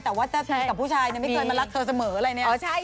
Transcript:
แต่ว่าเจ้าชายกับผู้ชายไม่เคยมารักเธอเสมออะไรเนี่ย